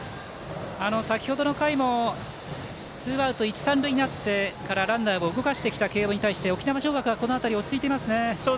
先ほどの回もツーアウト一、三塁になってからランナーを動かしてきた慶応に対して沖縄尚学はこの辺り、落ち着いていますね。